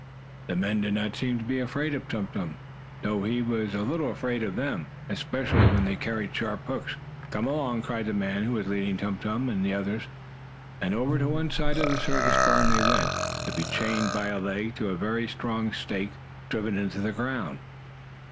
The men did not seem to be afraid of Tum Tum, though he was a little afraid of them, especially when they carried sharp hooks, which hurt one's skin. "Come along!" cried the man who was leading Tum Tum and the others, and over to one side of the circus barn they went, to be chained by a leg to a very strong stake driven into the ground.